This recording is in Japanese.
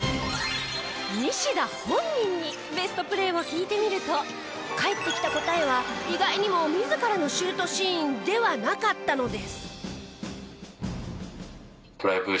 西田本人にベストプレーを聞いてみると返ってきた答えは意外にも自らのシュートシーンではなかったのです。